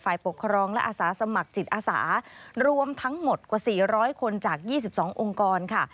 ปกครองและอาสาสมัครจิตอาสารวมทั้งหมดกว่า๔๐๐คนจาก๒๒องค์กรค่ะ